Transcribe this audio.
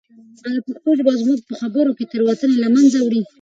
آیا پښتو ژبه زموږ په خبرو کې تېروتنې له منځه وړي؟